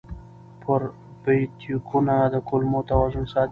پروبیوتیکونه د کولمو توازن ساتي.